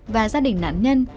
và gia đình nạn nhân